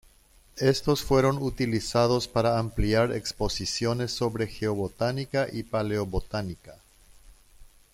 Estos fueron utilizados para ampliar exposiciones sobre geobotánica y paleobotánica.